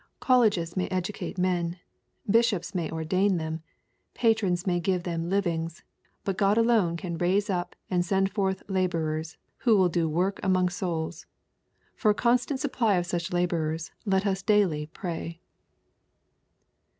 Colleges may educate men. BisIi « ops may oidain them. Patrons may give them livings* But Q od alone can raise up and send forth " laborers'' who will do work among souls. For a constant supply of such laborers let us daily pray.